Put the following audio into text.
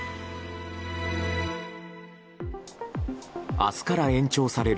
明日から延長される